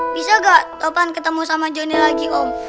bisa gak topan ketemu sama johnny lagi om